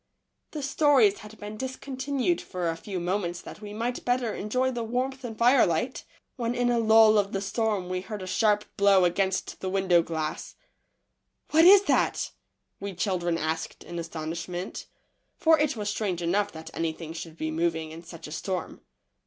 The stories had been discontinued for a few mo ments that we might better enjoy the warmth and firelight, when in a lull of the storm we heard a sharp blow against the window glass. J? What is that ?" we children asked in astonish ment, for it was strange enough that anything should be moving in such a storm.